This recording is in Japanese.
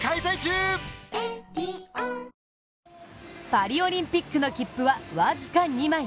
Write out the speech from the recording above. パリオリンピックの切符は僅か２枚。